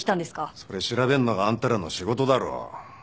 それ調べんのがあんたらの仕事だろ。